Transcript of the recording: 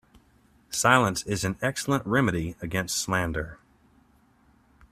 Silence is an excellent remedy against slander.